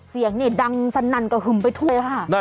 เสียงนี่ดังสนั่นกระขึมไปทุกอย่างค่ะ